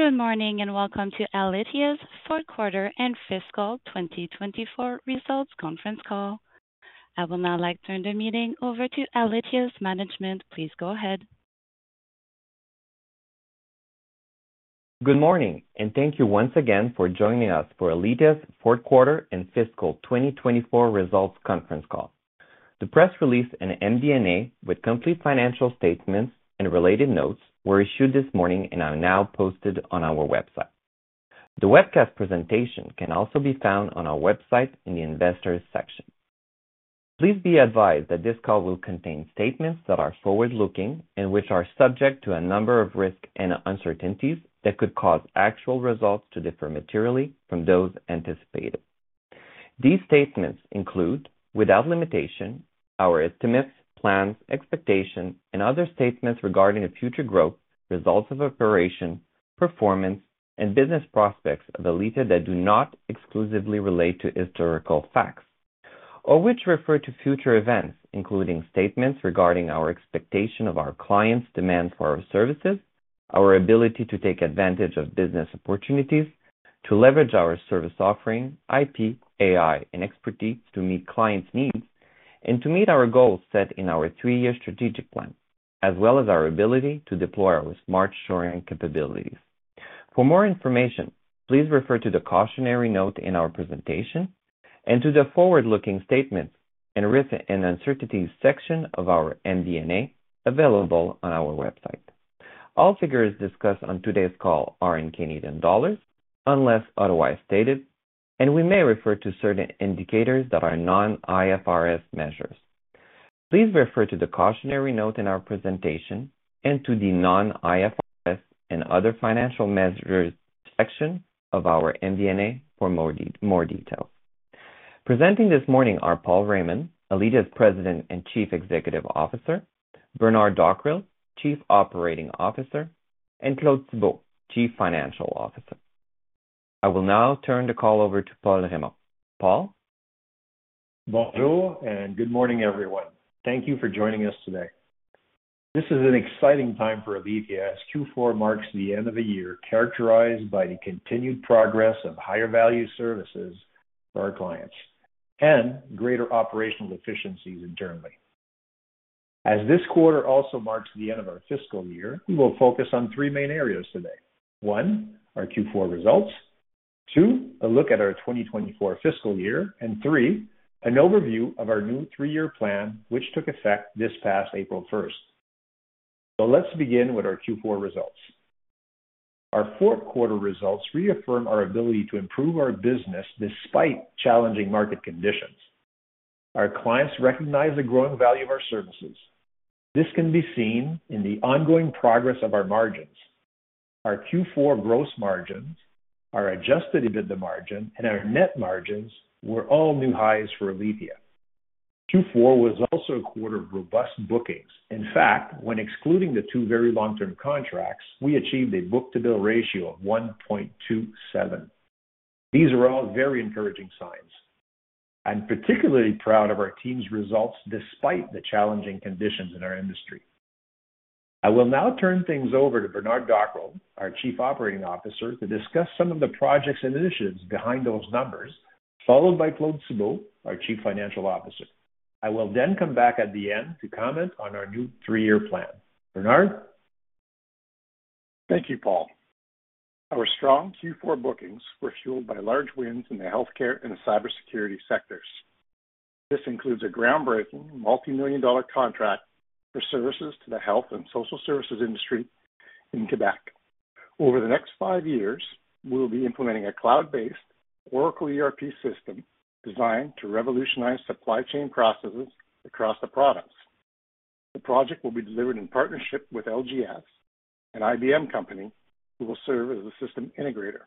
Good morning, and welcome to Alithya's fourth quarter and fiscal 2024 results conference call. I will now like to turn the meeting over to Alithya's management. Please go ahead. Good morning, and thank you once again for joining us for Alithya's fourth quarter and fiscal 2024 results conference call. The press release and MD&A with complete financial statements and related notes were issued this morning and are now posted on our website. The webcast presentation can also be found on our website in the investors section. Please be advised that this call will contain statements that are forward-looking and which are subject to a number of risks and uncertainties that could cause actual results to differ materially from those anticipated. These statements include, without limitation, our estimates, plans, expectations, and other statements regarding the future growth, results of operations, performance, and business prospects of Alithya that do not exclusively relate to historical facts, or which refer to future events, including statements regarding our expectation of our clients' demand for our services, our ability to take advantage of business opportunities, to leverage our service offering, IP, AI, and expertise to meet clients' needs, and to meet our goals set in our three-year strategic plan, as well as our ability to deploy our smart shoring capabilities. For more information, please refer to the cautionary note in our presentation and to the forward-looking statements and risk and uncertainties section of our MD&A available on our website. All figures discussed on today's call are in Canadian dollars, unless otherwise stated, and we may refer to certain indicators that are non-IFRS measures. Please refer to the cautionary note in our presentation and to the non-IFRS and other financial measures section of our MD&A for more details. Presenting this morning are Paul Raymond, Alithya's President and Chief Executive Officer, Bernard Dockrill, Chief Operating Officer, and Claude Thibault, Chief Financial Officer. I will now turn the call over to Paul Raymond. Paul? Bonjour, and good morning, everyone. Thank you for joining us today. This is an exciting time for Alithya, as Q4 marks the end of a year characterized by the continued progress of higher value services for our clients and greater operational efficiencies internally. As this quarter also marks the end of our fiscal year, we will focus on three main areas today. One, our Q4 results. Two, a look at our 2024 fiscal year. And three, an overview of our new three-year plan, which took effect this past April first. So let's begin with our Q4 results. Our fourth quarter results reaffirm our ability to improve our business despite challenging market conditions. Our clients recognize the growing value of our services. This can be seen in the ongoing progress of our margins. Our Q4 gross margins, our adjusted EBITDA margin, and our net margins were all new highs for Alithya. Q4 was also a quarter of robust bookings. In fact, when excluding the two very long-term contracts, we achieved a book-to-bill ratio of 1.27. These are all very encouraging signs. I'm particularly proud of our team's results, despite the challenging conditions in our industry. I will now turn things over to Bernard Dockrill, our Chief Operating Officer, to discuss some of the projects and initiatives behind those numbers, followed by Claude Thibault, our Chief Financial Officer. I will then come back at the end to comment on our new three-year plan. Bernard? Thank you, Paul. Our strong Q4 bookings were fueled by large wins in the healthcare and cybersecurity sectors. This includes a groundbreaking multimillion-dollar contract for services to the health and social services industry in Quebec. Over the next five years, we will be implementing a cloud-based Oracle ERP system designed to revolutionize supply chain processes across the products. The project will be delivered in partnership with LGS, an IBM company, who will serve as a system integrator.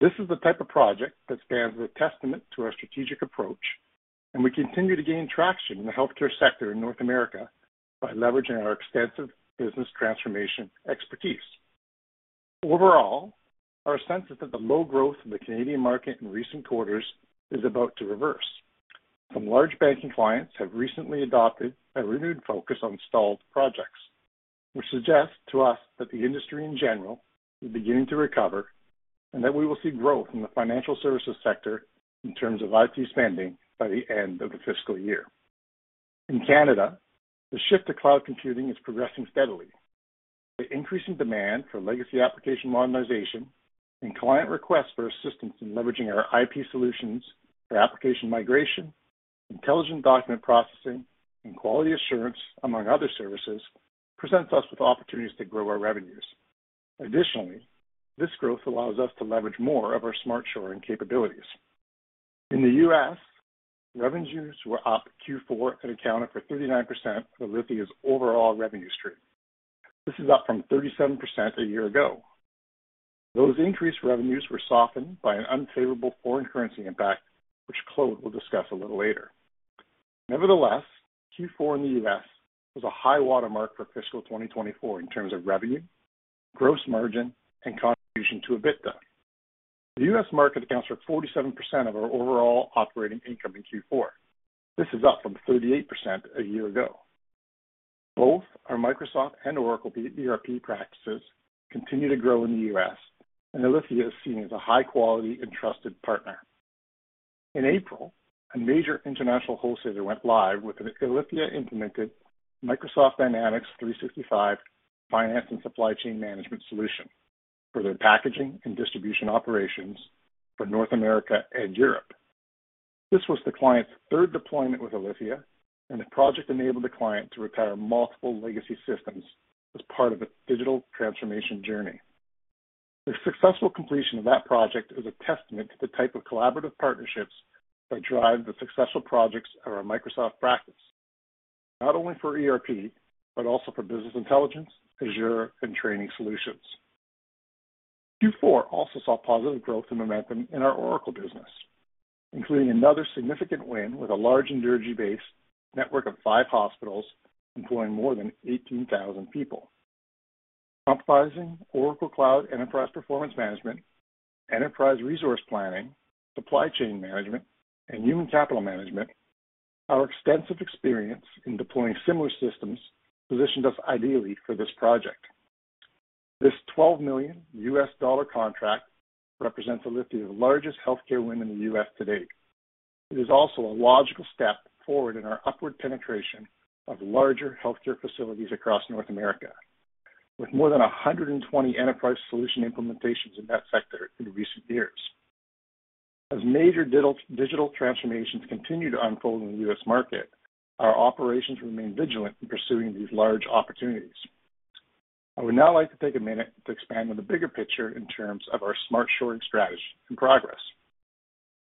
This is the type of project that stands as a testament to our strategic approach, and we continue to gain traction in the healthcare sector in North America by leveraging our extensive business transformation expertise. Overall, our sense is that the low growth in the Canadian market in recent quarters is about to reverse. Some large banking clients have recently adopted a renewed focus on stalled projects, which suggests to us that the industry in general is beginning to recover, and that we will see growth in the financial services sector in terms of IT spending by the end of the fiscal year. In Canada, the shift to cloud computing is progressing steadily. The increasing demand for legacy application modernization and client requests for assistance in leveraging our IP solutions for application migration, intelligent document processing, and quality assurance, among other services, presents us with opportunities to grow our revenues. Additionally, this growth allows us to leverage more of our smart shoring capabilities. In the US, revenues were up Q4 and accounted for 39% of Alithya's overall revenue stream. This is up from 37% a year ago. Those increased revenues were softened by an unfavorable foreign currency impact, which Claude will discuss a little later. Nevertheless, Q4 in the U.S. was a high-water mark for fiscal 2024 in terms of revenue, gross margin, and contribution to EBITDA. The US market accounts for 47% of our overall operating income in Q4. This is up from 38% a year ago. Both our Microsoft and Oracle ERP practices continue to grow in the U.S., and Alithya is seen as a high quality and trusted partner. In April, a major international wholesaler went live with an Alithya-implemented Microsoft Dynamics 365 Finance and Supply Chain Management solution for their packaging and distribution operations for North America and Europe. This was the client's third deployment with Alithya, and the project enabled the client to retire multiple legacy systems as part of its digital transformation journey. The successful completion of that project is a testament to the type of collaborative partnerships that drive the successful projects of our Microsoft practice, not only for ERP, but also for business intelligence, Azure, and training solutions. Q4 also saw positive growth and momentum in our Oracle business, including another significant win with a large energy-based network of five hospitals employing more than 18,000 people. Comprising Oracle Cloud Enterprise Performance Management, Enterprise Resource Planning, Supply Chain Management, and Human Capital Management, our extensive experience in deploying similar systems positioned us ideally for this project. This $12 million contract represents Alithya's largest healthcare win in the U.S. to date. It is also a logical step forward in our upward penetration of larger healthcare facilities across North America, with more than 120 enterprise solution implementations in that sector in recent years. As major digital transformations continue to unfold in the US market, our operations remain vigilant in pursuing these large opportunities. I would now like to take a minute to expand on the bigger picture in terms of our smart shoring strategy and progress.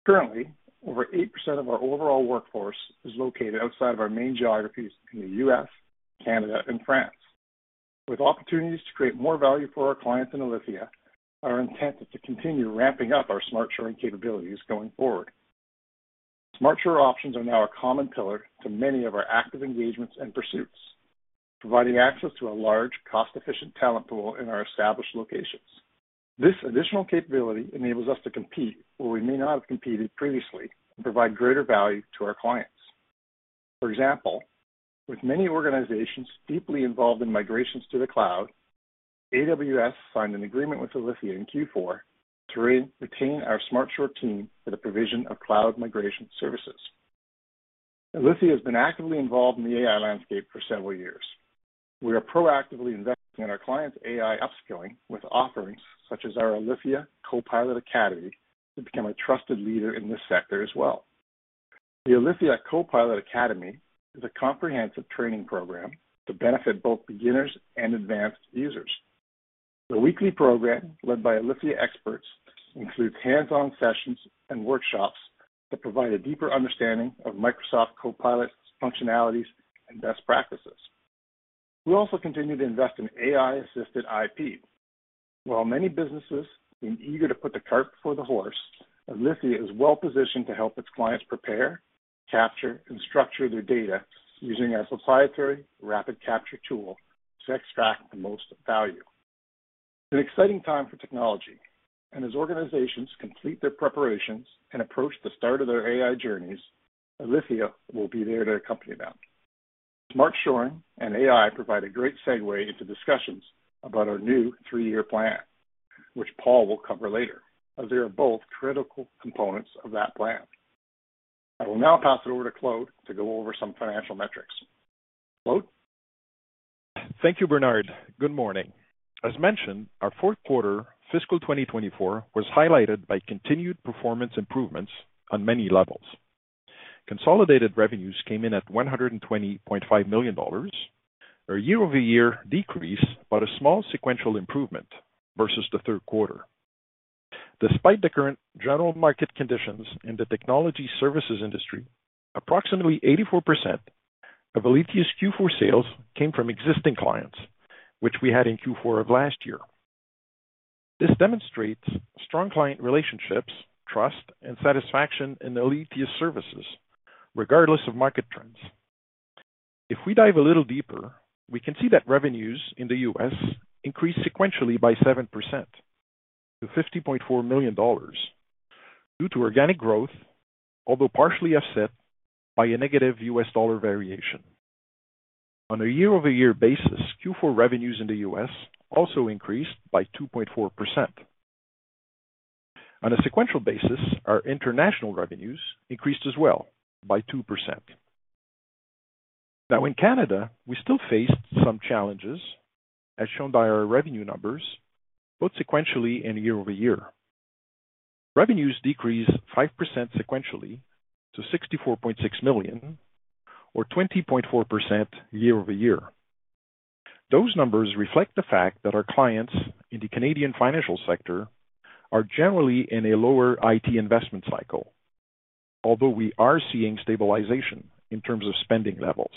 Currently, over 8% of our overall workforce is located outside of our main geographies in the U.S., Canada, and France. With opportunities to create more value for our clients in Alithya, our intent is to continue ramping up our smart shoring capabilities going forward. Smart shoring options are now a common pillar to many of our active engagements and pursuits, providing access to a large, cost-efficient talent pool in our established locations. This additional capability enables us to compete where we may not have competed previously and provide greater value to our clients. For example, with many organizations deeply involved in migrations to the cloud, AWS signed an agreement with Alithya in Q4 to re-retain our smart shoring team for the provision of cloud migration services. Alithya has been actively involved in the AI landscape for several years. We are proactively investing in our clients' AI upskilling with offerings such as our Alithya Copilot Academy, to become a trusted leader in this sector as well. The Alithya Copilot Academy is a comprehensive training program to benefit both beginners and advanced users. The weekly program, led by Alithya experts, includes hands-on sessions and workshops that provide a deeper understanding of Microsoft Copilot's functionalities and best practices. We also continue to invest in AI-assisted IP. While many businesses have been eager to put the cart before the horse, Alithya is well positioned to help its clients prepare, capture, and structure their data using our proprietary RapidCapture tool to extract the most value. An exciting time for technology, and as organizations complete their preparations and approach the start of their AI journeys, Alithya will be there to accompany them. Smart shoring and AI provide a great segue into discussions about our new three-year plan, which Paul will cover later, as they are both critical components of that plan. I will now pass it over to Claude to go over some financial metrics. Claude? Thank you, Bernard. Good morning. As mentioned, our fourth quarter fiscal 2024 was highlighted by continued performance improvements on many levels. Consolidated revenues came in at 120.5 million dollars, a year-over-year decrease, but a small sequential improvement versus the third quarter. Despite the current general market conditions in the technology services industry, approximately 84% of Alithya's Q4 sales came from existing clients, which we had in Q4 of last year. This demonstrates strong client relationships, trust, and satisfaction in Alithya's services, regardless of market trends. If we dive a little deeper, we can see that revenues in the U.S. increased sequentially by 7% to $50.4 million due to organic growth, although partially offset by a negative U.S. dollar variation. On a year-over-year basis, Q4 revenues in the U.S. also increased by 2.4%. On a sequential basis, our international revenues increased as well by 2%. Now, in Canada, we still faced some challenges, as shown by our revenue numbers, both sequentially and year-over-year. Revenues decreased 5% sequentially to 64.6 million, or 20.4% year-over-year. Those numbers reflect the fact that our clients in the Canadian financial sector are generally in a lower IT investment cycle, although we are seeing stabilization in terms of spending levels.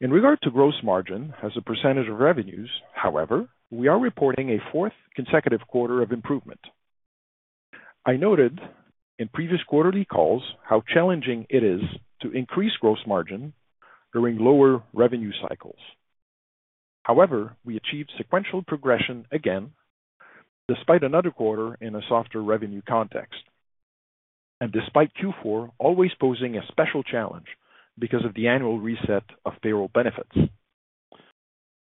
In regard to gross margin as a percentage of revenues, however, we are reporting a fourth consecutive quarter of improvement.... I noted in previous quarterly calls how challenging it is to increase gross margin during lower revenue cycles. However, we achieved sequential progression again, despite another quarter in a softer revenue context, and despite Q4 always posing a special challenge because of the annual reset of payroll benefits.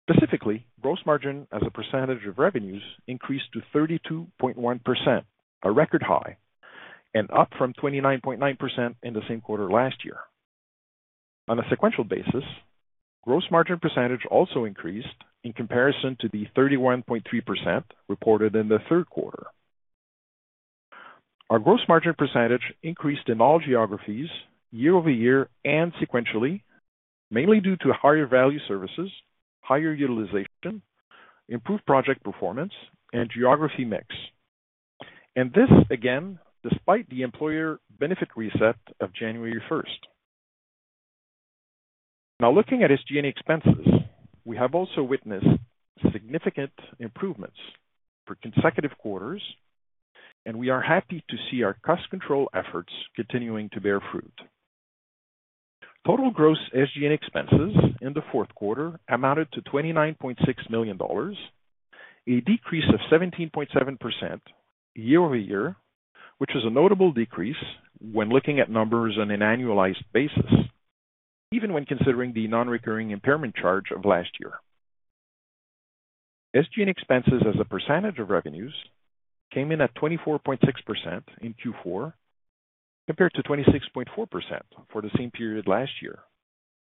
Specifically, gross margin as a percentage of revenues increased to 32.1%, a record high, and up from 29.9% in the same quarter last year. On a sequential basis, gross margin percentage also increased in comparison to the 31.3% reported in the third quarter. Our gross margin percentage increased in all geographies year-over-year and sequentially, mainly due to higher value services, higher utilization, improved project performance, and geography mix. And this again, despite the employer benefit reset of January first. Now, looking at SG&A expenses, we have also witnessed significant improvements for consecutive quarters, and we are happy to see our cost control efforts continuing to bear fruit. Total gross SG&A expenses in the fourth quarter amounted to 29.6 million dollars, a decrease of 17.7% year-over-year, which is a notable decrease when looking at numbers on an annualized basis, even when considering the non-recurring impairment charge of last year. SG&A expenses as a percentage of revenues came in at 24.6% in Q4, compared to 26.4% for the same period last year,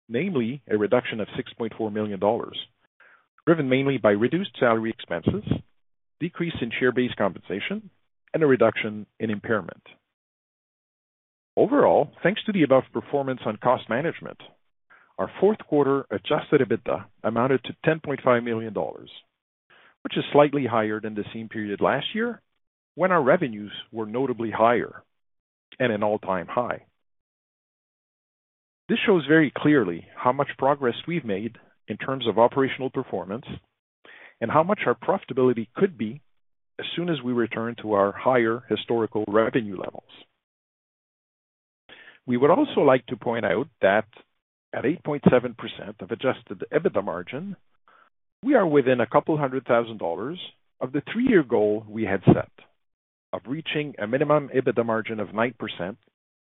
namely a reduction of 6.4 million dollars, driven mainly by reduced salary expenses, decrease in share-based compensation, and a reduction in impairment. Overall, thanks to the above performance on cost management, our fourth quarter adjusted EBITDA amounted to 10.5 million dollars, which is slightly higher than the same period last year when our revenues were notably higher at an all-time high. This shows very clearly how much progress we've made in terms of operational performance and how much our profitability could be as soon as we return to our higher historical revenue levels. We would also like to point out that at 8.7% adjusted EBITDA margin, we are within 200,000 dollars of the three-year goal we had set of reaching a minimum EBITDA margin of 9%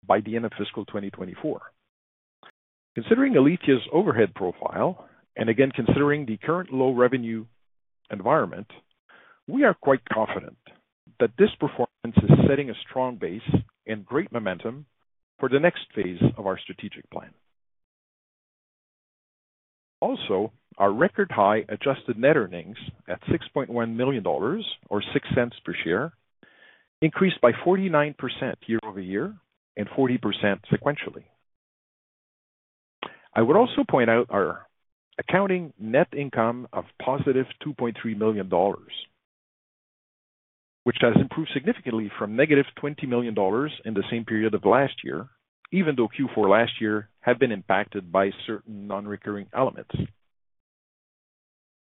by the end of fiscal 2024. Considering Alithya's overhead profile, and again, considering the current low revenue environment, we are quite confident that this performance is setting a strong base and great momentum for the next phase of our strategic plan. Also, our record high adjusted net earnings at 6.1 million dollars or 0.06 per share, increased by 49% year-over-year and 40% sequentially. I would also point out our accounting net income of 2.3 million dollars, which has improved significantly from -20 million dollars in the same period of last year, even though Q4 last year had been impacted by certain non-recurring elements.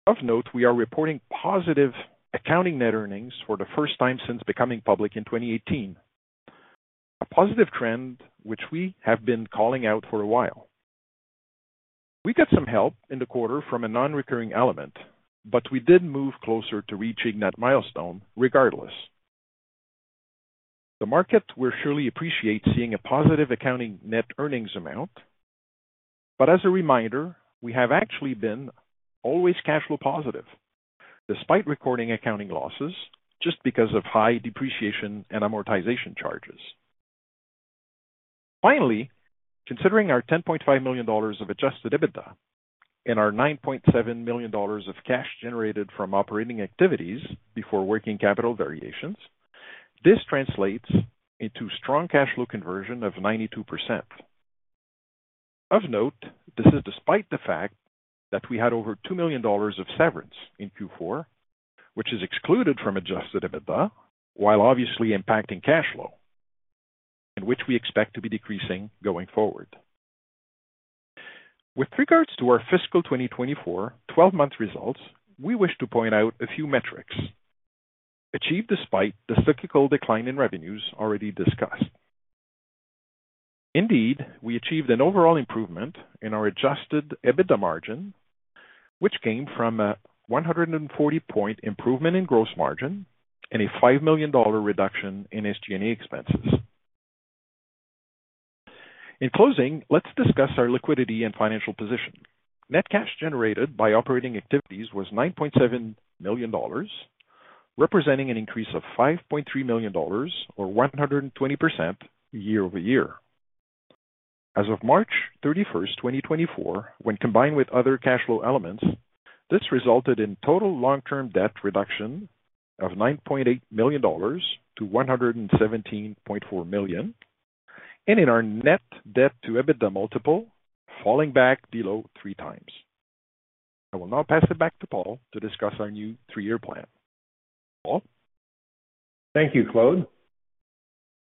Of note, we are reporting positive accounting net earnings for the first time since becoming public in 2018. A positive trend, which we have been calling out for a while. We got some help in the quarter from a non-recurring element, but we did move closer to reaching that milestone regardless. The market will surely appreciate seeing a positive accounting net earnings amount, but as a reminder, we have actually been always cash flow positive, despite recording accounting losses just because of high depreciation and amortization charges. Finally, considering our 10.5 million dollars of adjusted EBITDA and our 9.7 million dollars of cash generated from operating activities before working capital variations, this translates into strong cash flow conversion of 92%. Of note, this is despite the fact that we had over 2 million dollars of severance in Q4, which is excluded from adjusted EBITDA, while obviously impacting cash flow, and which we expect to be decreasing going forward. With regards to our fiscal 2024 twelve-month results, we wish to point out a few metrics achieved despite the cyclical decline in revenues already discussed. Indeed, we achieved an overall improvement in our adjusted EBITDA margin, which came from a 140-point improvement in gross margin and a 5 million dollar reduction in SG&A expenses. In closing, let's discuss our liquidity and financial position. Net cash generated by operating activities was 9.7 million dollars, representing an increase of 5.3 million dollars or 120% year-over-year. As of March 31, 2024, when combined with other cash flow elements, this resulted in total long-term debt reduction of CAD 9.8 million to CAD 117.4 million, and in our net debt to EBITDA multiple falling back below 3x. I will now pass it back to Paul to discuss our new three-year plan. Paul? Thank you, Claude,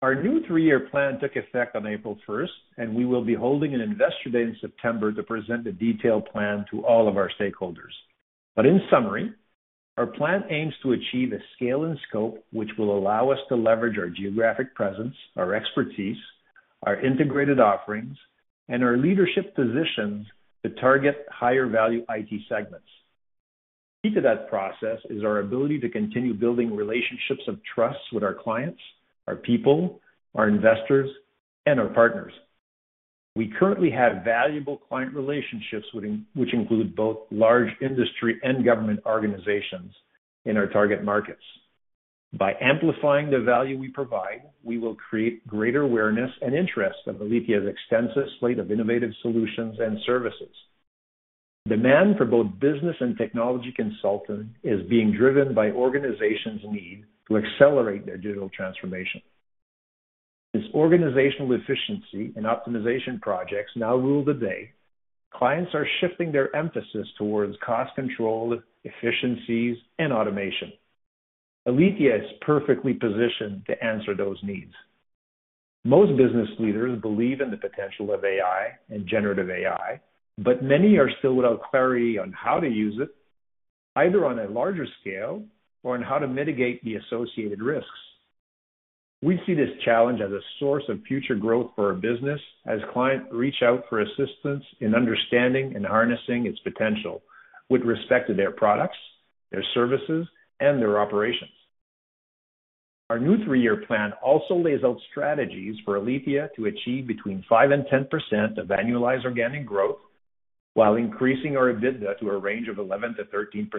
Our new three year plan took effect on April 1st, and we will be holding an investor day in September to present a detailed plan to all of our stakeholders. In summary, our plan aims to achieve a scale and scope which will allow us to leverage our geographic presence, our expertise, our integrated offerings, and our leadership positions to target higher value IT segments. Key to that process is our ability to continue building relationships of trust with our clients, our people, our investors, and our partners. We currently have valuable client relationships, which include both large industry and government organizations in our target markets. By amplifying the value we provide, we will create greater awareness and interest of Alithya's extensive slate of innovative solutions and services. Demand for both business and technology consulting is being driven by organizations' need to accelerate their digital transformation. As organizational efficiency and optimization projects now rule the day, clients are shifting their emphasis towards cost control, efficiencies, and automation. Alithya is perfectly positioned to answer those needs. Most business leaders believe in the potential of AI and generative AI, but many are still without clarity on how to use it, either on a larger scale or on how to mitigate the associated risks. We see this challenge as a source of future growth for our business, as clients reach out for assistance in understanding and harnessing its potential with respect to their products, their services, and their operations. Our new three year plan also lays out strategies for Alithya to achieve between 5% and 10% of annualized organic growth, while increasing our EBITDA to a range of 11%-13%.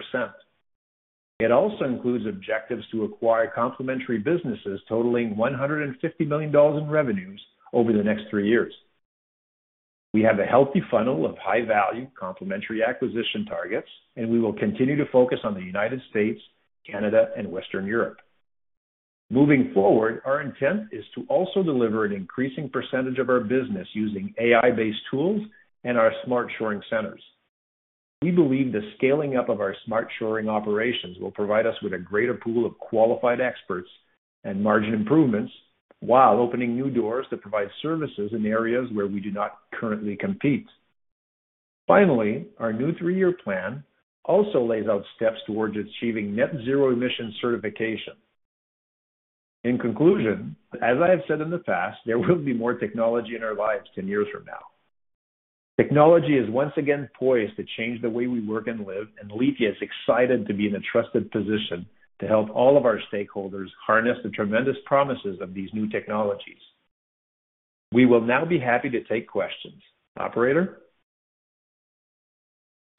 It also includes objectives to acquire complementary businesses totaling 150 million dollars in revenues over the next three years. We have a healthy funnel of high-value complementary acquisition targets, and we will continue to focus on the United States, Canada, and Western Europe. Moving forward, our intent is to also deliver an increasing percentage of our business using AI-based tools and our smart shoring centers. We believe the scaling up of our smart shoring operations will provide us with a greater pool of qualified experts and margin improvements, while opening new doors to provide services in areas where we do not currently compete. Finally, our new three-year plan also lays out steps towards achieving net zero emission certification. In conclusion, as I have said in the past, there will be more technology in our lives 10 years from now. Technology is once again poised to change the way we work and live, and Alithya is excited to be in a trusted position to help all of our stakeholders harness the tremendous promises of these new technologies. We will now be happy to take questions. Operator?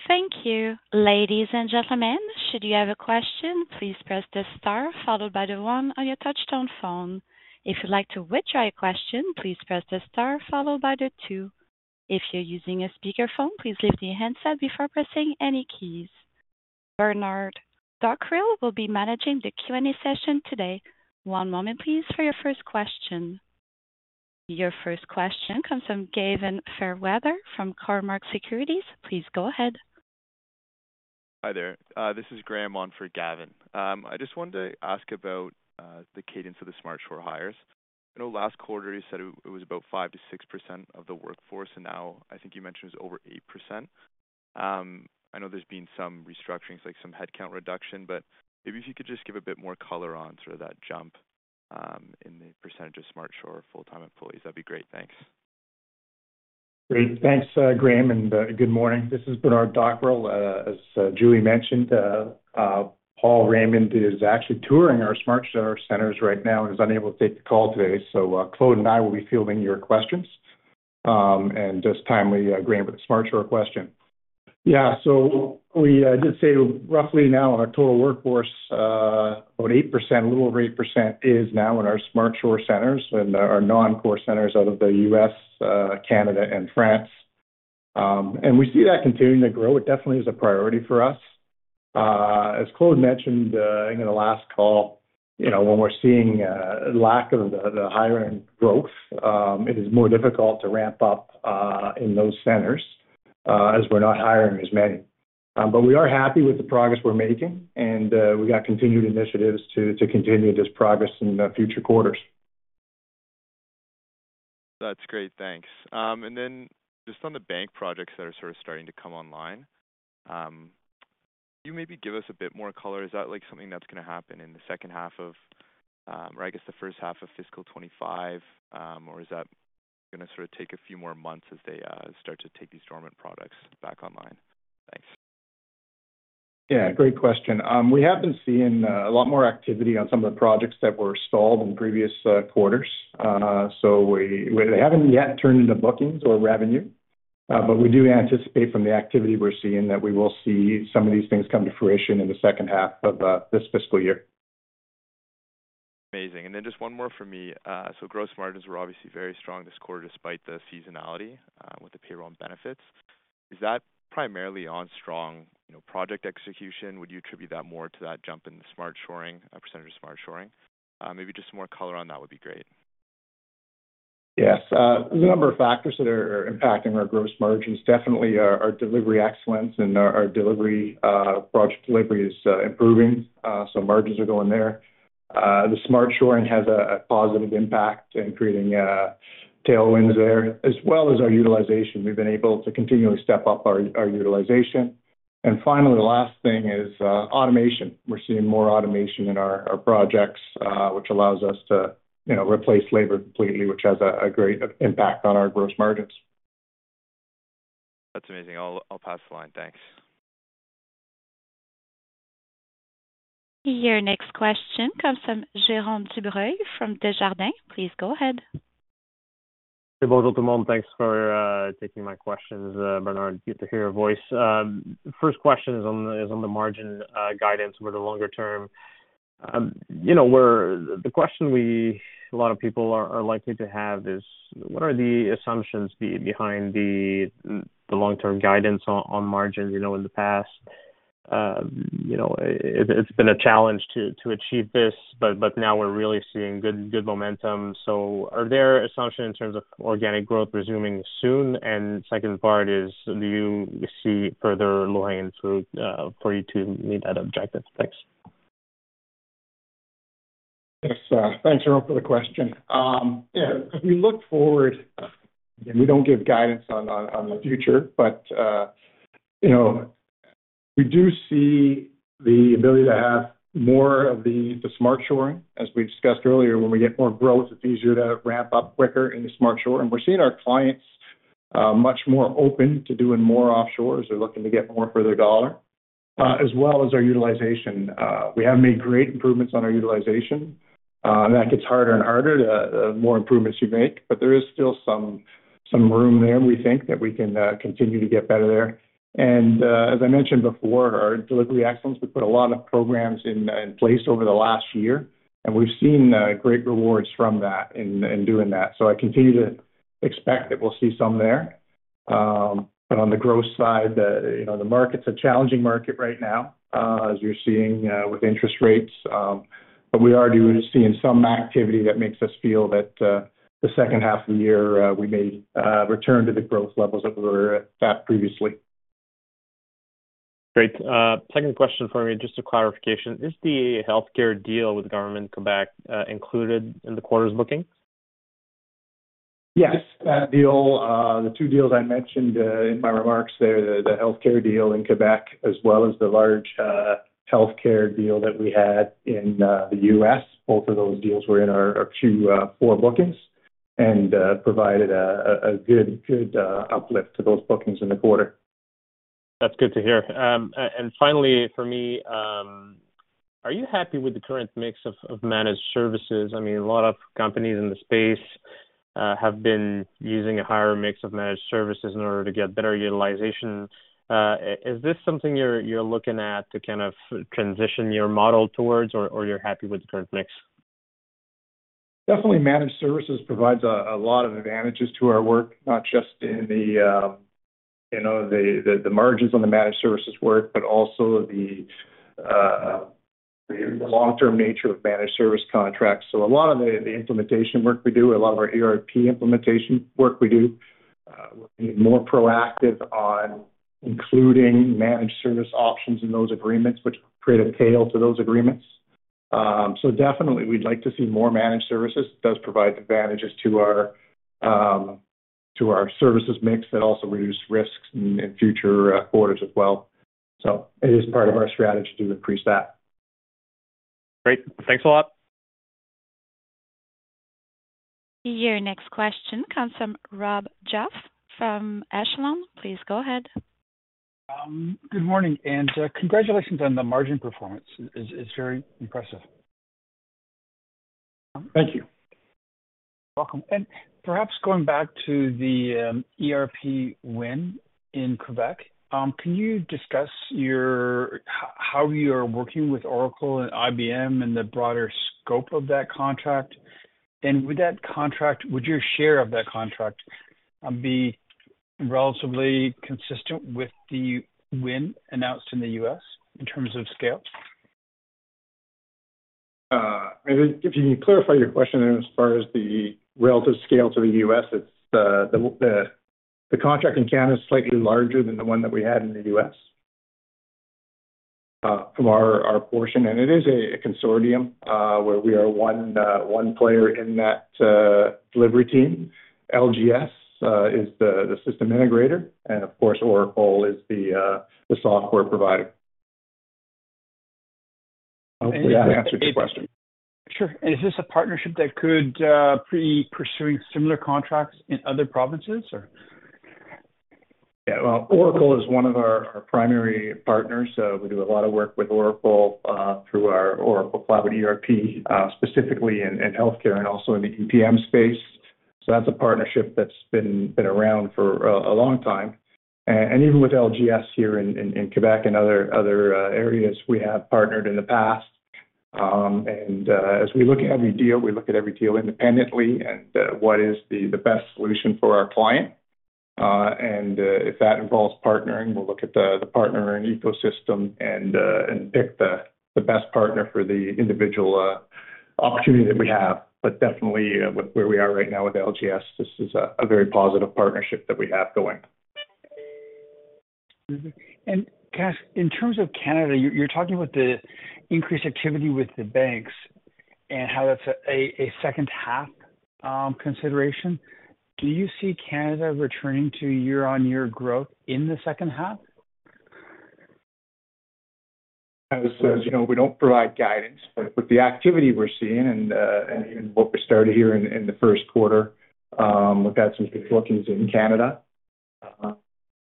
Thank you. Ladies and gentlemen, should you have a question, please press the star followed by the one on your touchtone phone. If you'd like to withdraw your question, please press the star followed by the two. If you're using a speakerphone, please lift the handset before pressing any keys. Bernard Dockrill will be managing the Q&A session today. One moment, please, for your first question. Your first question comes from Gavin Fairweather from Cormark Securities. Please go ahead. Hi there, this is Graham on for Gavin. I just wanted to ask about the cadence of the smart shoring hires. I know last quarter you said it was about 5%-6% of the workforce, and now I think you mentioned it's over 8%. I know there's been some restructurings, like some headcount reduction, but maybe if you could just give a bit more color on sort of that jump in the percentage of smart shoring full-time employees, that'd be great. Thanks. Great. Thanks, Graham, and good morning. This is Bernard Dockrill. As Julie mentioned, Paul Raymond is actually touring our smart shore centers right now and is unable to take the call today. So, Claude and I will be fielding your questions. And just timely, Graham, with the smart shore question. Yeah, so we did say roughly now our total workforce, about 8%, a little over 8%, is now in our smart shore centers and our non-core centers out of the U.S., Canada, and France. And we see that continuing to grow. It definitely is a priority for us. As Claude mentioned, I think in the last call, you know, when we're seeing lack of the hiring growth, it is more difficult to ramp up in those centers, as we're not hiring as many. But we are happy with the progress we're making, and we got continued initiatives to continue this progress in the future quarters. That's great. Thanks. And then just on the bank projects that are sort of starting to come online, can you maybe give us a bit more color? Is that like something that's gonna happen in the second half of, or I guess, the first half of fiscal 25? Or is that gonna sort of take a few more months as they start to take these dormant products back online? Thanks. Yeah, great question. We have been seeing a lot more activity on some of the projects that were stalled in previous quarters. So they haven't yet turned into bookings or revenue, but we do anticipate from the activity we're seeing, that we will see some of these things come to fruition in the second half of this fiscal year. Amazing. And then just one more for me. So gross margins were obviously very strong this quarter, despite the seasonality with the payroll and benefits. Is that primarily on strong, you know, project execution? Would you attribute that more to that jump in the smart shoring, a percentage of smart shoring? Maybe just some more color on that would be great. ... Yes, there's a number of factors that are impacting our gross margins. Definitely our delivery excellence and our delivery project delivery is improving, so margins are going there. The smart shoring has a positive impact in creating tailwinds there, as well as our utilization. We've been able to continually step up our utilization. And finally, the last thing is automation. We're seeing more automation in our projects, which allows us to, you know, replace labor completely, which has a great impact on our gross margins. That's amazing. I'll pass the line. Thanks. Your next question comes from Jerome Dubreuil from Desjardins. Please go ahead. Hey, bonjour tout le monde. Thanks for taking my questions, Bernard, good to hear your voice. First question is on the margin guidance for the longer term. You know, the question a lot of people are likely to have is, what are the assumptions behind the long-term guidance on margins? You know, in the past, you know, it's been a challenge to achieve this, but now we're really seeing good momentum. So are there assumptions in terms of organic growth resuming soon? And second part is, do you see further low-hanging fruit for you to meet that objective? Thanks. Yes, thanks, Jerome, for the question. Yeah, as we look forward, and we don't give guidance on the future, but you know, we do see the ability to have more of the smart shoring. As we discussed earlier, when we get more growth, it's easier to ramp up quicker in the smart shoring. We're seeing our clients much more open to doing more offshore as they're looking to get more for their dollar, as well as our utilization. We have made great improvements on our utilization, and that gets harder and harder to, the more improvements you make. But there is still some room there, we think, that we can continue to get better there. As I mentioned before, our delivery excellence—we put a lot of programs in place over the last year, and we've seen great rewards from that in doing that. So I continue to expect that we'll see some there. But on the growth side, you know, the market's a challenging market right now, as you're seeing with interest rates. But we are seeing some activity that makes us feel that the second half of the year we may return to the growth levels that we were at previously. Great. Second question for me, just a clarification. Is the healthcare deal with the government of Quebec included in the quarter's bookings? Yes, that deal, the two deals I mentioned in my remarks there, the healthcare deal in Quebec, as well as the large healthcare deal that we had in the U.S., both of those deals were in our Q4 bookings and provided a good uplift to those bookings in the quarter. That's good to hear. And finally, for me, are you happy with the current mix of managed services? I mean, a lot of companies in the space have been using a higher mix of managed services in order to get better utilization. Is this something you're looking at to kind of transition your model towards, or you're happy with the current mix? Definitely managed services provides a lot of advantages to our work, not just in the, you know, the margins on the managed services work, but also the long-term nature of managed service contracts. So a lot of the implementation work we do, a lot of our ERP implementation work we do, we're being more proactive on including managed service options in those agreements, which create a tail to those agreements. So definitely we'd like to see more managed services. It does provide advantages to our to our services mix and also reduce risks in future quarters as well. So it is part of our strategy to increase that. Great. Thanks a lot. Your next question comes from Rob Goff from Echelon. Please go ahead. Good morning, and congratulations on the margin performance. It's, it's very impressive. Thank you. Welcome. And perhaps going back to the ERP win in Quebec, can you discuss your... how you are working with Oracle and IBM and the broader scope of that contract? And with that contract, would your share of that contract be relatively consistent with the win announced in the U.S. in terms of scale? If you can clarify your question as far as the relative scale to the US, it's the contract in Canada is slightly larger than the one that we had in the U.S., from our portion. And it is a consortium, where we are one player in that delivery team. LGS is the system integrator, and of course, Oracle is the software provider. Hopefully, I answered your question. Sure. And is this a partnership that could be pursuing similar contracts in other provinces, or? Yeah, well, Oracle is one of our primary partners. So we do a lot of work with Oracle through our Oracle Cloud ERP, specifically in healthcare and also in the EPM space. So that's a partnership that's been around for a long time. And even with LGS here in Quebec and other areas, we have partnered in the past. And as we look at every deal, we look at every deal independently, and what is the best solution for our client? And if that involves partnering, we'll look at the partner and ecosystem and pick the best partner for the individual opportunity that we have. But definitely, with where we are right now with LGS, this is a very positive partnership that we have going. Mm-hmm. And Kash, in terms of Canada, you're talking about the increased activity with the banks and how that's a second half consideration. Do you see Canada returning to year-on-year growth in the second half? As you know, we don't provide guidance, but with the activity we're seeing and what we started here in the first quarter, we've had some good bookings in Canada,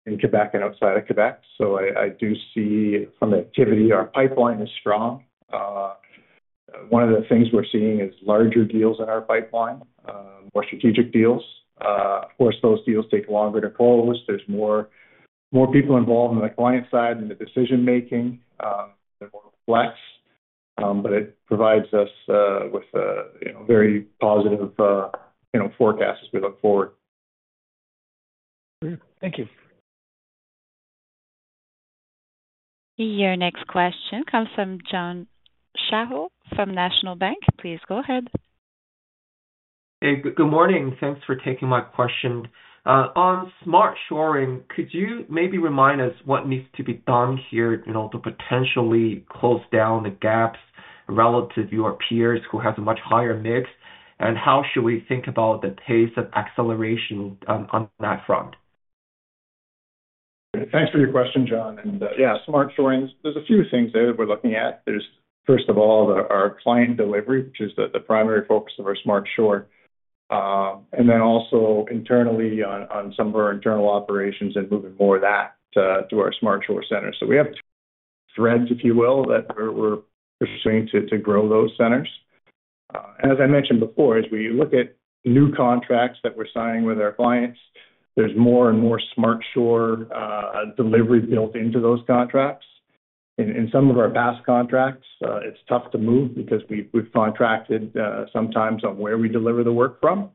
in Quebec and outside of Quebec. So I do see some activity. Our pipeline is strong. One of the things we're seeing is larger deals in our pipeline, more strategic deals. Of course, those deals take longer to close. There's more people involved on the client side in the decision making, they're more complex. But it provides us with, you know, very positive, you know, forecasts as we look forward. Thank you. Your next question comes from John Shao from National Bank. Please go ahead. Hey, good morning. Thanks for taking my question. On smart shoring, could you maybe remind us what needs to be done here, you know, to potentially close down the gaps relative to your peers who have a much higher mix? How should we think about the pace of acceleration on that front? Thanks for your question, John. And, yeah, smart shoring. There's a few things there that we're looking at. There's, first of all, our client delivery, which is the primary focus of our smart shore. And then also internally on some of our internal operations and moving more of that to our smart shore centers. So we have threads, if you will, that we're pursuing to grow those centers. As I mentioned before, as we look at new contracts that we're signing with our clients, there's more and more smart shore delivery built into those contracts. In some of our past contracts, it's tough to move because we've contracted sometimes on where we deliver the work from.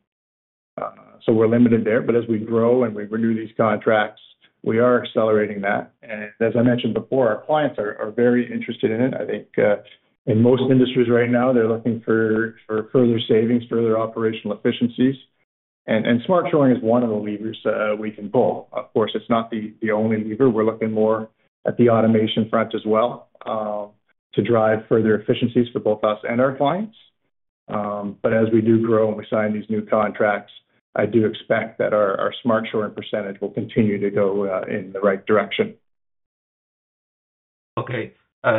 So we're limited there. But as we grow and we renew these contracts, we are accelerating that. As I mentioned before, our clients are very interested in it. I think in most industries right now, they're looking for further savings, further operational efficiencies. And smart shoring is one of the levers we can pull. Of course, it's not the only lever. We're looking more at the automation front as well to drive further efficiencies for both us and our clients. But as we do grow and we sign these new contracts, I do expect that our smart shoring percentage will continue to go in the right direction. Okay,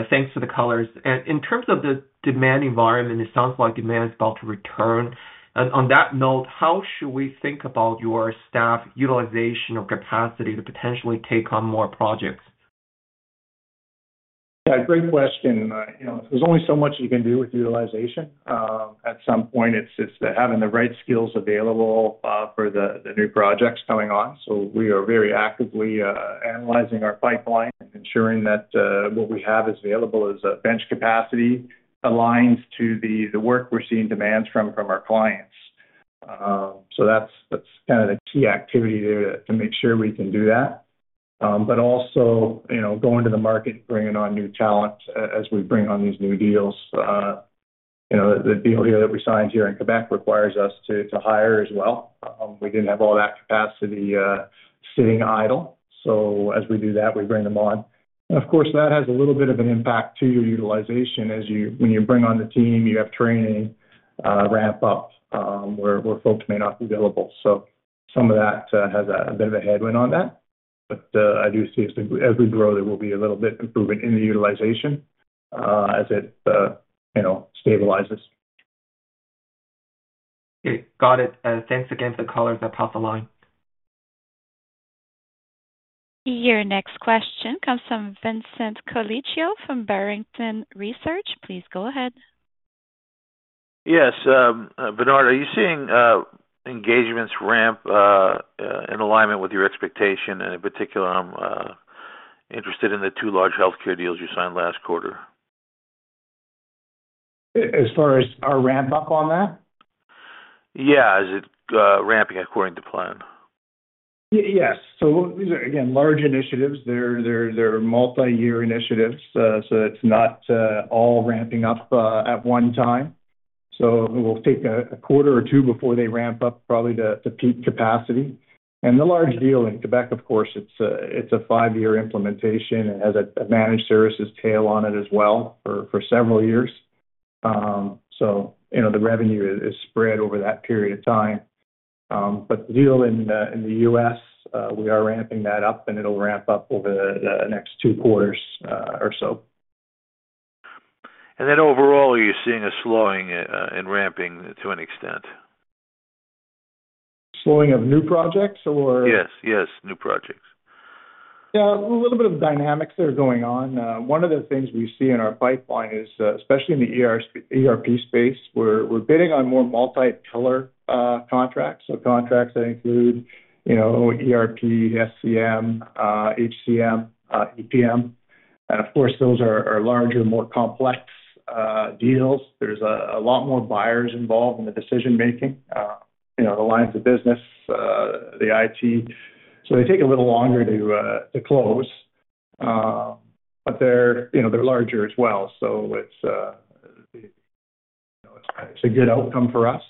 thanks for the color. In terms of the demand environment, it sounds like demand is about to return. On that note, how should we think about your staff utilization or capacity to potentially take on more projects? Yeah, great question. You know, there's only so much you can do with utilization. At some point, it's having the right skills available for the new projects going on. So we are very actively analyzing our pipeline and ensuring that what we have is available as a bench capacity aligns to the work we're seeing demands from our clients. So that's kind of the key activity there to make sure we can do that. But also, you know, going to the market, bringing on new talent as we bring on these new deals. You know, the deal here that we signed here in Quebec requires us to hire as well. We didn't have all that capacity sitting idle. So as we do that, we bring them on. And of course, that has a little bit of an impact to your utilization as you, when you bring on the team, you have training, ramp up, where folks may not be available. So some of that has a bit of a headwind on that. But I do see as we grow, there will be a little bit improvement in the utilization as it, you know, stabilizes. Okay. Got it. Thanks again for the colors above the line. Your next question comes from Vincent Colicchio from Barrington Research. Please go ahead. Yes, Bernard, are you seeing in alignment with your expectation? And in particular, I'm interested in the two large healthcare deals you signed last quarter. As far as our ramp-up on that? Yeah. Is it ramping according to plan? Yes. So these are, again, large initiatives. They're multi-year initiatives. So it's not all ramping up at one time. So it will take a quarter or two before they ramp up probably to peak capacity. And the large deal in Quebec, of course, it's a five-year implementation and has a managed services tail on it as well for several years. So you know, the revenue is spread over that period of time. But the deal in the U.S., we are ramping that up, and it'll ramp up over the next two quarters or so. Overall, are you seeing a slowing in ramping to an extent? Slowing of new projects or? Yes, yes, new projects. Yeah, a little bit of dynamics that are going on. One of the things we see in our pipeline is, especially in the ERP space, we're, we're bidding on more multi-pillar, contracts, so contracts that include, you know, ERP, SCM, HCM, EPM. And of course, those are, larger, more complex, deals. There's a, lot more buyers involved in the decision making, you know, the lines of business, the IT. So they take a little longer to, to close, but they're, you know, they're larger as well, so it's, you know, it's a good outcome for us.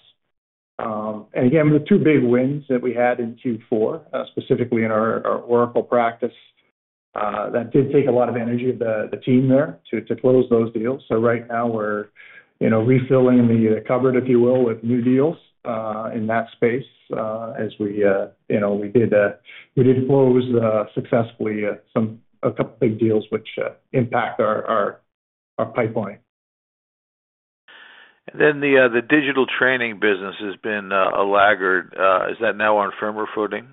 And again, the two big wins that we had in Q4, specifically in our, Oracle practice, that did take a lot of energy of the, team there to, to close those deals. So right now we're, you know, refilling the cupboard, if you will, with new deals in that space, as we, you know, we did close successfully a couple big deals which impact our pipeline. And then the digital training business has been a laggard. Is that now on firmer footing?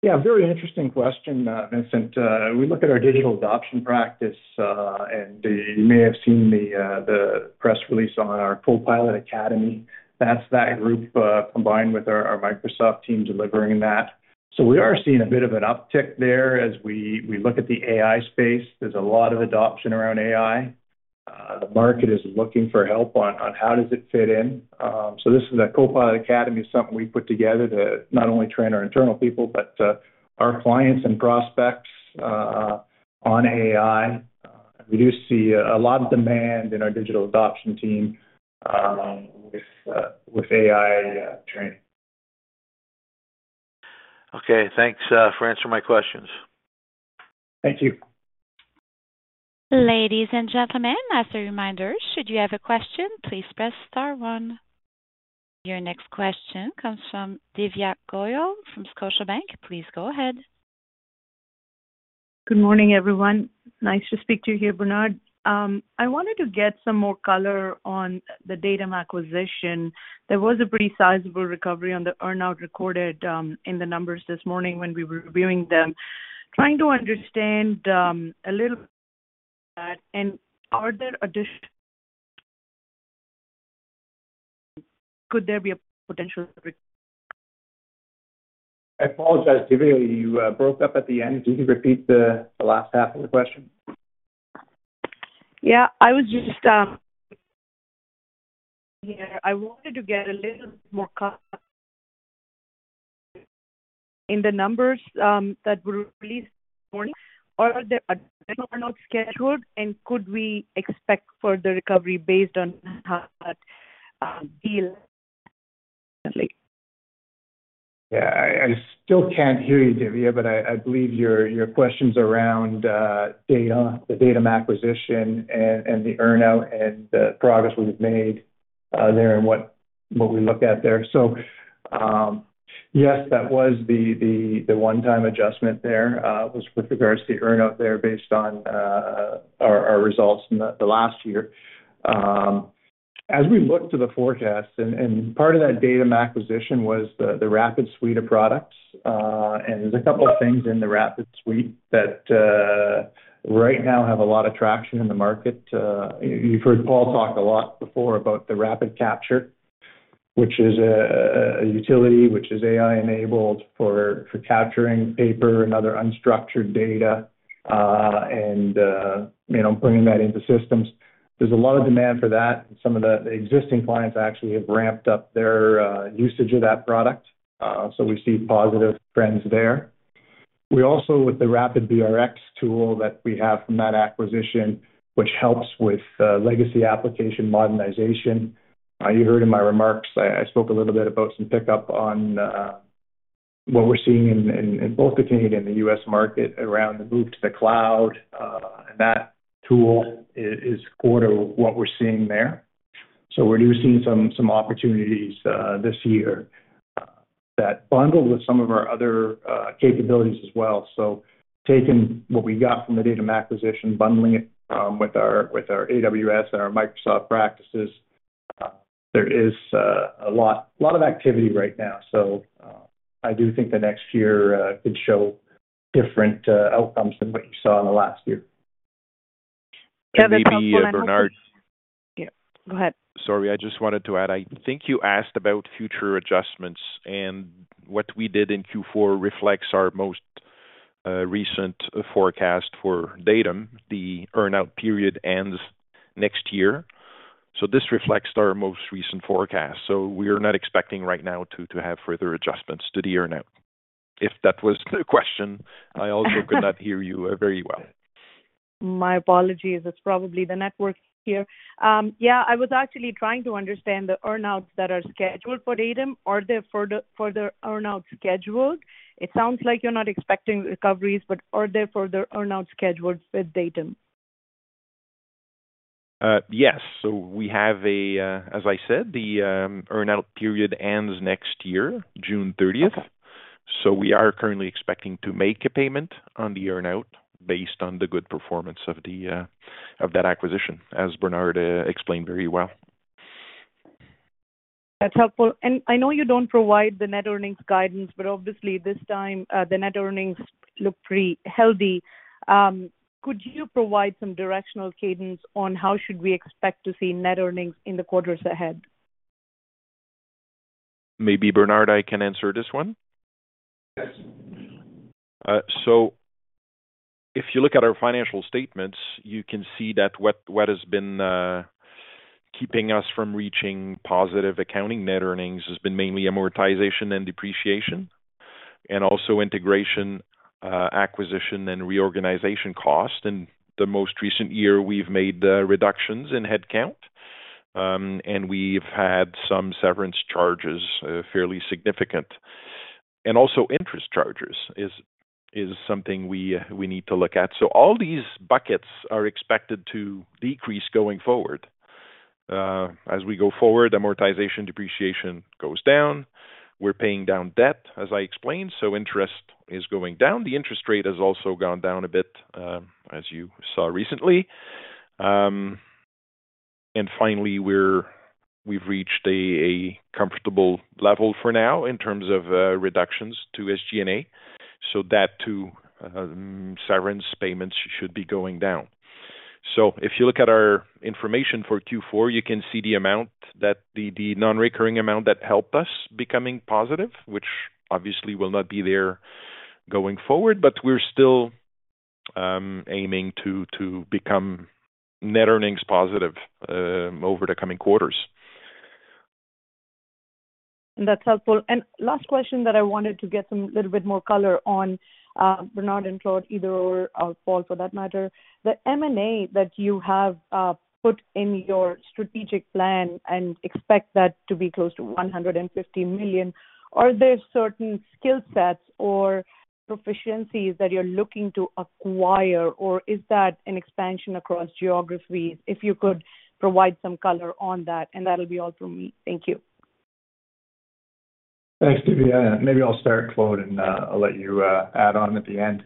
Yeah, very interesting question, Vincent. We look at our digital adoption practice, and you may have seen the press release on our Copilot Academy. That's that group, combined with our Microsoft team delivering that. So we are seeing a bit of an uptick there as we look at the AI space. There's a lot of adoption around AI. The market is looking for help on how does it fit in. So this is a Copilot Academy, something we put together to not only train our internal people, but our clients and prospects on AI. We do see a lot of demand in our digital adoption team, with AI training. Okay. Thanks for answering my questions. Thank you. Ladies and gentlemen, as a reminder, should you have a question, please press star one. Your next question comes from Divya Goyal from Scotiabank. Please go ahead. Good morning, everyone. Nice to speak to you here, Bernard. I wanted to get some more color on the Datum acquisition. There was a pretty sizable recovery on the earn-out recorded in the numbers this morning when we were reviewing them. Trying to understand a little that, and are there addition... Could there be a potential? I apologize, Divya, you broke up at the end. Can you repeat the last half of the question? Yeah, I was just here. I wanted to get a little more color on the numbers that were released this morning. Are there earn-outs scheduled, and could we expect further recovery based on how that deal went? Yeah, I still can't hear you, Divya, but I believe your question's around data, the Datum acquisition and the earn-out and the progress we've made there and what we look at there. So, yes, that was the one-time adjustment there was with regards to the earn-out there based on our results in the last year. As we look to the forecast and part of that Datum acquisition was the Rapid Suite of products. And there's a couple of things in the Rapid Suite that right now have a lot of traction in the market. You've heard Paul talk a lot before about the RapidCAPTURE, which is a utility which is AI-enabled for capturing paper and other unstructured data, and you know, putting that into systems. There's a lot of demand for that. Some of the existing clients actually have ramped up their usage of that product, so we see positive trends there. We also, with the RapidBRX tool that we have from that acquisition, which helps with legacy application modernization. You heard in my remarks, I spoke a little bit about some pickup on what we're seeing in both the Canadian and the US market around the move to the cloud, and that tool is core to what we're seeing there. So we're seeing some opportunities this year that bundle with some of our other capabilities as well. So taking what we got from the Datum acquisition, bundling it with our AWS and our Microsoft practices, there is a lot of activity right now. So I do think the next year could show different outcomes than what you saw in the last year. That'd be helpful- Bernard. Yeah, go ahead. Sorry, I just wanted to add. I think you asked about future adjustments, and what we did in Q4 reflects our most recent forecast for Datum. The earn-out period ends next year, so this reflects our most recent forecast. So we are not expecting right now to have further adjustments to the earn-out. If that was the question, I also could not hear you very well. My apologies. It's probably the network here. Yeah, I was actually trying to understand the earn-outs that are scheduled for Datum. Are there further earn-out scheduled? It sounds like you're not expecting recoveries, but are there further earn-out scheduled with Datum? Yes. As I said, the earn-out period ends next year, June thirtieth. So we are currently expecting to make a payment on the earn-out based on the good performance of that acquisition, as Bernard explained very well. That's helpful. And I know you don't provide the net earnings guidance, but obviously this time, the net earnings look pretty healthy. Could you provide some directional cadence on how should we expect to see net earnings in the quarters ahead?... Maybe, Bernard, I can answer this one? Yes. So if you look at our financial statements, you can see that what has been keeping us from reaching positive accounting net earnings has been mainly amortization and depreciation, and also integration, acquisition, and reorganization costs. And the most recent year, we've made reductions in headcount, and we've had some severance charges, fairly significant. And also interest charges is something we need to look at. So all these buckets are expected to decrease going forward. As we go forward, amortization, depreciation goes down. We're paying down debt, as I explained, so interest is going down. The interest rate has also gone down a bit, as you saw recently. And finally, we've reached a comfortable level for now in terms of reductions to SG&A, so that, too, severance payments should be going down. So if you look at our information for Q4, you can see the amount that the non-recurring amount that helped us becoming positive, which obviously will not be there going forward. But we're still aiming to become net earnings positive over the coming quarters. That's helpful. And last question that I wanted to get some little bit more color on, Bernard and Claude, either or, or Paul for that matter. The M&A that you have put in your strategic plan and expect that to be close to 150 million, are there certain skill sets or proficiencies that you're looking to acquire, or is that an expansion across geographies? If you could provide some color on that, and that'll be all from me. Thank you. Thanks, Divya. Maybe I'll start, Claude, and I'll let you add on at the end.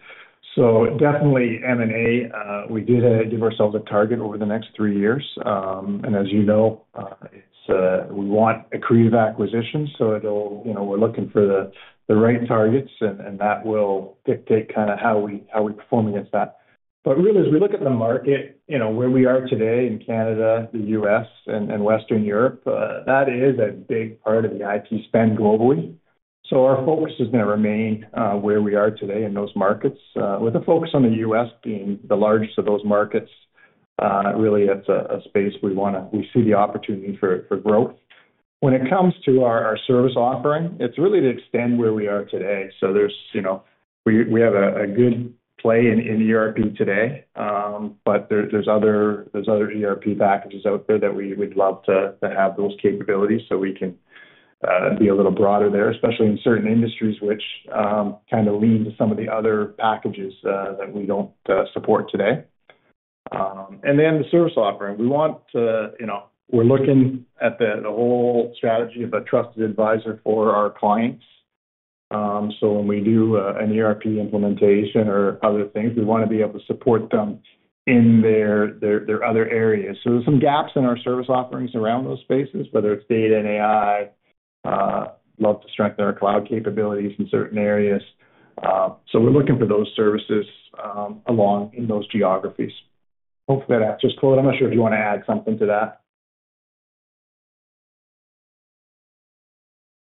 So definitely M&A, we did give ourselves a target over the next three years. And as you know, it's we want accretive acquisitions, so it'll... You know, we're looking for the right targets, and that will dictate kind of how we perform against that. But really, as we look at the market, you know, where we are today in Canada, the U.S., and Western Europe, that is a big part of the IT spend globally. So our focus is going to remain where we are today in those markets, with the focus on the U.S. being the largest of those markets. Really, it's a space we wanna, we see the opportunity for growth. When it comes to our service offering, it's really to extend where we are today. So there's, you know, we have a good play in ERP today, but there, there are other ERP packages out there that we would love to have those capabilities, so we can be a little broader there, especially in certain industries which kind of lean to some of the other packages that we don't support today. And then the service offering. We want to, you know, we're looking at the whole strategy of a trusted advisor for our clients. So when we do an ERP implementation or other things, we wanna be able to support them in their other areas. So there's some gaps in our service offerings around those spaces, whether it's data and AI, love to strengthen our cloud capabilities in certain areas. So we're looking for those services, along in those geographies. Hopefully that answers. Claude, I'm not sure if you wanna add something to that.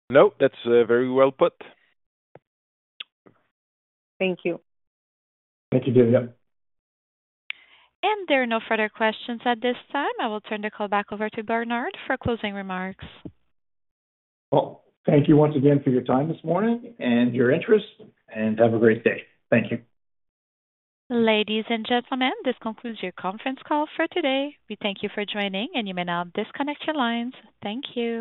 No, that's, very well put. Thank you. Thank you, Divya. There are no further questions at this time. I will turn the call back over to Bernard for closing remarks. Well, thank you once again for your time this morning and your interest, and have a great day. Thank you. Ladies and gentlemen, this concludes your conference call for today. We thank you for joining, and you may now disconnect your lines. Thank you.